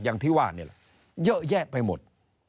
อย่างที่ว่านี่แหละเยอะแยะไปหมด